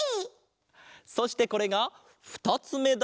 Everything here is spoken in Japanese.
そしてこれがふたつめだ！